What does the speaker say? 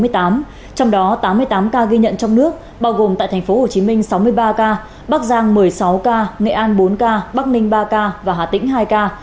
trong đó tám mươi tám ca ghi nhận trong nước bao gồm tại tp hcm sáu mươi ba ca bắc giang một mươi sáu ca nghệ an bốn ca bắc ninh ba ca và hà tĩnh hai ca